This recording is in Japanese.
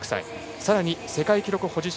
さらに、世界記録保持者